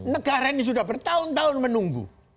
negara ini sudah bertahun tahun menunggu